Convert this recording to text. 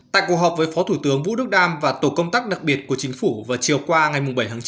tại cuộc họp với phó thủ tướng vũ đức đam và tổ công tác đặc biệt của chính phủ vào chiều qua ngày bảy tháng chín